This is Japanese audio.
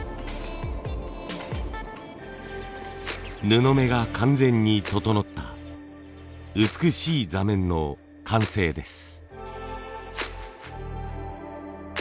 布目が完全に整った美しい座面の完成です。